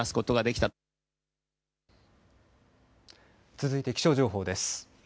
続いて気象情報です。